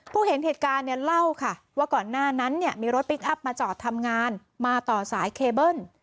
ผู้เห็นเหตุการณ์เล่าว่าก่อนหน้านั้นมีรถปิ๊กอัพมาจอดทำงานมาต่อสายเคเบิล